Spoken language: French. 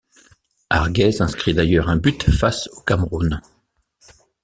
Arguez inscrit d’ailleurs un but face au Cameroun.